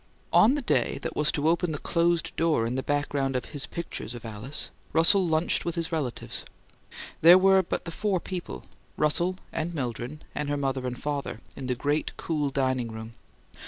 ... On the day that was to open the closed door in the background of his pictures of Alice, Russell lunched with his relatives. There were but the four people, Russell and Mildred and her mother and father, in the great, cool dining room.